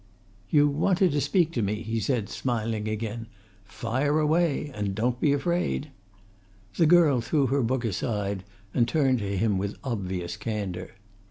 "You wanted to speak to me," he said, smiling again. "Fire away! and don't be afraid." The girl threw her book aside, and turned to him with obvious candour.